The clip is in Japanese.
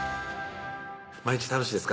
毎日楽しいですか？